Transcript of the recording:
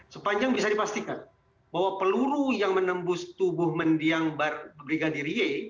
sepanjang bisa dipastikan bahwa peluru yang menembus tubuh mendiang brigadir y